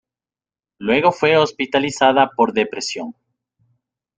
Luego fue hospitalizada por depresión.